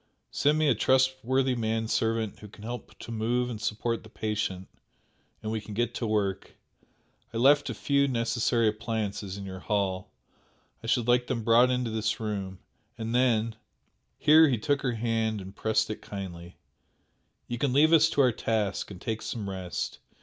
Send me a trustworthy man servant who can help to move and support the patient, and we can get to work. I left a few necessary appliances in your hall I should like them brought into this room and then " here he took her hand and pressed it kindly "you can leave us to our task, and take some rest.